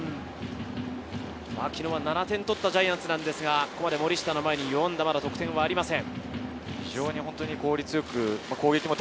昨日は７点取ったジャイアンツなんですが、ここまで森下の前に４安打、得点はありません。